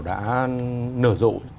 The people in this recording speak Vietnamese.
đã nở rộ